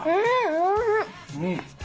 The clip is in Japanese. おいしい！